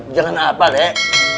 jangan apa deh